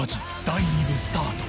第２部スタート。